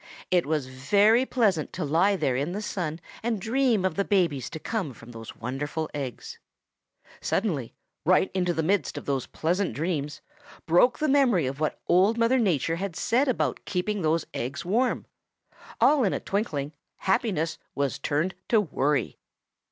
It was very pleasant to lie there in the sun and dream of the babies to come from those wonderful eggs. Suddenly, right into the midst of those pleasant dreams, broke the memory of what Old Mother Nature had said about keeping those eggs warm. All in a twinkling happiness was turned to worry.